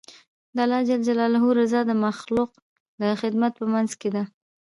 د الله رضا د مخلوق د خدمت په منځ کې ده.